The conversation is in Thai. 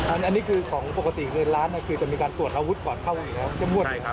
อันนี้คือของปกติคือร้านจะมีการตรวจอาวุธก่อนเข้าอีกแล้ว